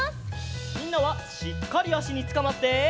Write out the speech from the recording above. みんなはしっかりあしにつかまって！